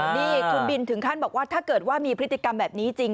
นี่คุณบินถึงขั้นบอกว่าถ้าเกิดว่ามีพฤติกรรมแบบนี้จริง